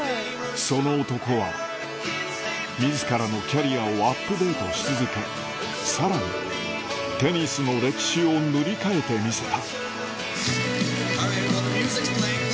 その男は自らのキャリアをアップデートし続けさらにテニスの歴史を塗り替えてみせた